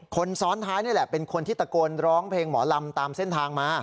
คนซ้อนท้ายนี่แหละเป็นคนที่ตะโกนร้องเพลงหมอลำตามเส้นทางมา